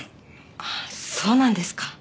ああそうなんですか。